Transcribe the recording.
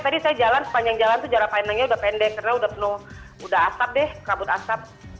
tadi saya jalan sepanjang jalan tuh jarak pandangnya udah pendek karena udah penuh udah asap deh kabut asap